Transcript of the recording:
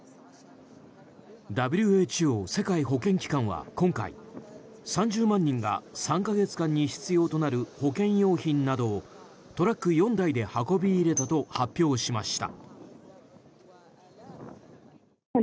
ＷＨＯ・世界保健機関は今回３０万人が３か月間に必要となる保健用品などをトラック４台で運び入れたと発表しました。